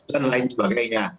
dan lain sebagainya